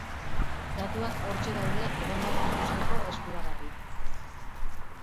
Datuak hortxe daude edonork ikusteko eskuragarri.